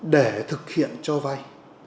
để thực hiện cho vai